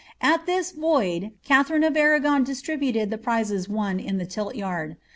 At this voide Katha rine of Arragon distributed the prizes won in the tilt yard.